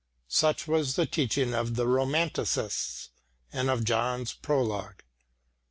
Such was the teaching of the romanticists, and of John's prologue.